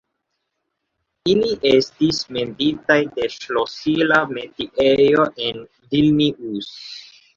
Ili estis menditaj de ŝlosila metiejo en Vilnius.